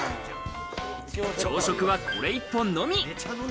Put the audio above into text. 朝食はこれ１本のみ。